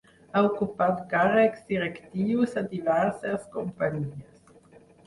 Ha ocupat càrrecs directius a diverses companyies.